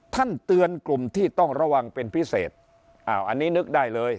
ท่านเตือนกลุ่มที่ต้องระวังเป็นพิเศษอ้าวอันนี้นึกได้เลย